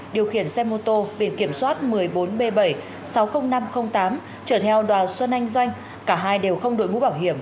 điều khiển xe mô tô biển kiểm soát một mươi bốn b bảy sáu mươi nghìn năm trăm linh tám trở theo đoàn xuân anh doanh cả hai đều không đội mũ bảo hiểm